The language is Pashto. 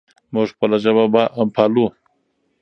موږ خپله ژبه پالو.